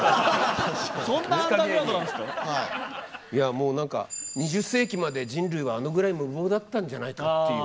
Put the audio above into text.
もう何か２０世紀まで人類はあのぐらい無謀だったんじゃないかっていう。